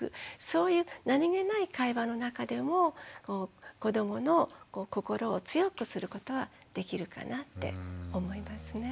そういう何気ない会話の中でも子どもの心を強くすることはできるかなって思いますね。